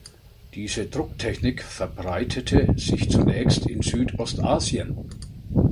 Diese Drucktechnik verbreitete sich zunächst in Südostasien.